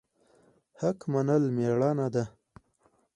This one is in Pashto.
حق منل میړانه ده